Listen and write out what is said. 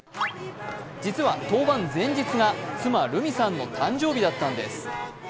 実は登板前日が妻・瑠美さんの誕生日だったんです。